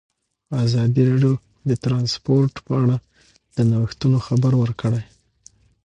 ازادي راډیو د ترانسپورټ په اړه د نوښتونو خبر ورکړی.